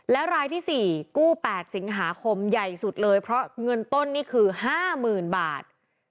และรายที่๔กู้๘สิงหาคมใหญ่สุดเลยเพราะเงินต้นนี่คือ๕๐๐๐บาท